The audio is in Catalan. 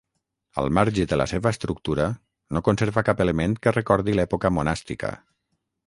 Al marge de la seva estructura, no conserva cap element que recordi l'època monàstica.